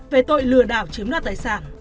về tội lừa đảo chiếm đoạt tài sản